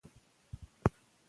که ستوری وي نو لوری نه ورکیږي.